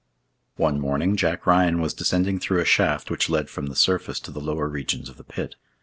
One morning Jack Ryan was descending through a shaft which led from the surface to the lower regions of the pit.